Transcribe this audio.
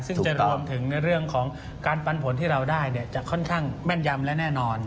ซึ่งจะรวมถึงในเรื่องของการปันผลที่เราได้จะค่อนข้างแม่นยำและแน่นอน